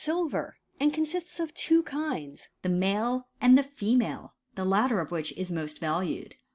75 and consists of two kinds, the male and the female ; the latter of which is most valued.